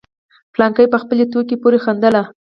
فلانکي په خپلې ټوکې پورې خندل.